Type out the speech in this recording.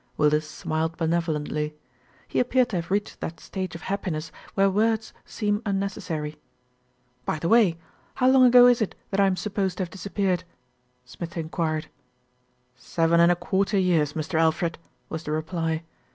Willis smiled benevolently. He appeared to have reached that stage of happiness where words seem un necessary. "By the way, how long ago is it that I am supposed to have disappeared?" Smith enquired. "Seven and a quarter years, Mr. Alfred," was the reply.